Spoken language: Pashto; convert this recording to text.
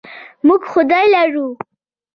موږ خدای لرو.